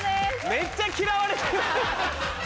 めっちゃ嫌われてる。